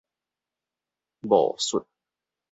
戊戌